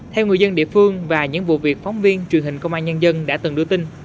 theo người dân địa phương và những vụ việc phóng viên truyền hình công an nhân dân đã từng đưa tin